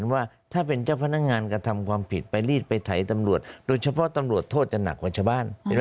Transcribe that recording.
ว่าถ้าเป็นเจ้าพนักงานกระทำความผิดไปรีดไปไถตำรวจโดยเฉพาะตำรวจโทษจะหนักกว่าชาวบ้าน